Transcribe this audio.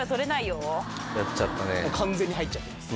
完全に入っちゃってます。